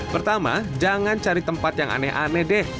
pertama jangan cari tempat yang aneh aneh deh